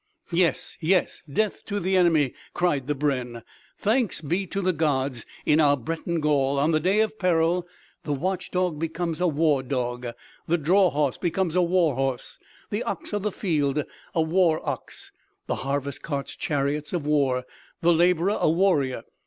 "Yes, yes; death to the enemy!" cried the brenn. "Thanks be to the gods, in our Breton Gaul, on the day of peril, the watch dog becomes a war dog! the draw horse becomes a war horse! the ox of the field a war ox! the harvest carts chariots of war! the laborer a warrior!